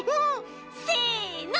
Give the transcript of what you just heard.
せの！